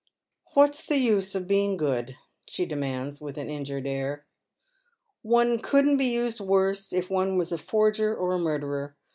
"What's the use of being good?" she demands, with an injured air. " One couldn't be used worse if one was a forger or a murderer.